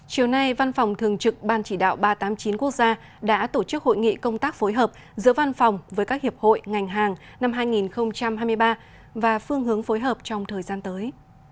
chiều nay văn phòng thường trực ban chỉ đạo ba trăm tám mươi chín quốc gia đã tổ chức hội nghị công tác phối hợp giữa văn phòng với các hiệp hội ngành hàng năm hai nghìn hai mươi ba và phương hướng phối hợp trong thời gian tới